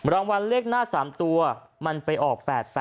รางวัลเลขหน้า๓ตัวมันไปออก๘๘